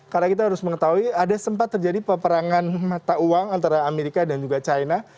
karena kita harus mengetahui ada sempat terjadi peperangan mata uang antara amerika dan juga china